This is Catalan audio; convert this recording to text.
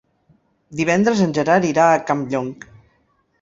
Divendres en Gerard irà a Campllong.